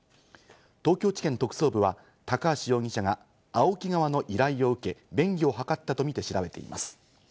東京地検特捜部は高橋容疑者がＡＯＫＩ側の依頼を受け、便宜を図ったとみて調べています。